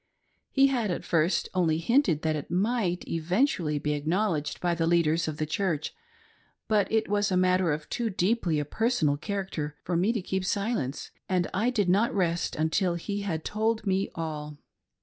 He had at first only hinted that it might eventually be acknowledged by the leaders of the Church, but it was a matter of too deeply a personal character for me to keep silence, and I did not rest until he had told me all.